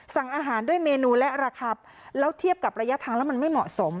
สั่งอาหารด้วยเมนูและราคาแล้วเทียบกับระยะทางแล้วมันไม่เหมาะสม